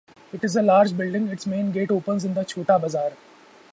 It is a large building, its main gate opens in the Chota Bazaar.